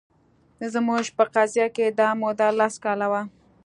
زموږ په قضیه کې دا موده لس کاله وه